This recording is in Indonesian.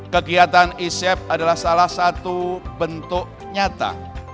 kegiatan isep adalah salah satu bentuk nyata